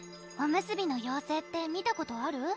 おむすびの妖精って見たことある？